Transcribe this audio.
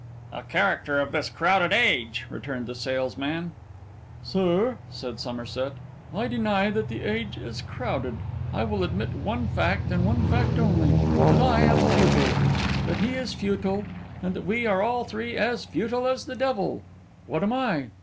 'A character of this crowded age,' returned the salesman. 'Sir,' said Somerset, 'I deny that the age is crowded; I will admit one fact, and one fact only: that I am futile, that he is futile, and that we are all three as futile as the devil. What am I?